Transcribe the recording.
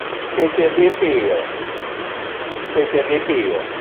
Seche dhi piyo